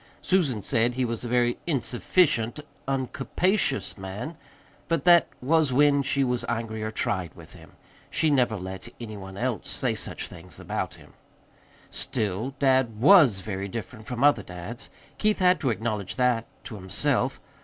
Susan said he was a very "insufficient, uncapacious" man but that was when she was angry or tried with him. She never let any one else say such things about him. Still, dad WAS very different from other dads. Keith had to acknowledge that to himself.